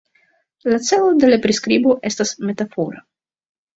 La celo de la priskribo estas metafora.